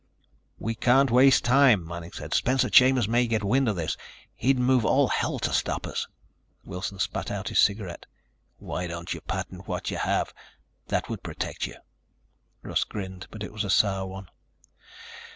"We can't waste time," Manning said. "Spencer Chambers may get wind of this. He'd move all hell to stop us." Wilson spat out his cigarette. "Why don't you patent what you have? That would protect you." Russ grinned, but it was a sour one.